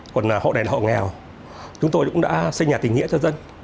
còn hộ đền hộ nghèo chúng tôi cũng đã xây nhà tỉnh nghĩa cho dân